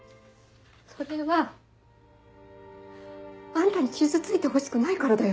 それはあんたに傷ついてほしくないからだよ。